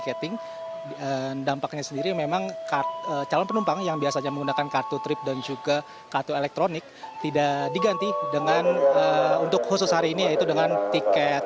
kapan ini akan berakhir upgrade sistem ini